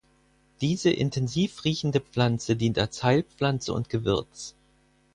Diese intensiv riechende Pflanze dient als Heilpflanze und Gewürz.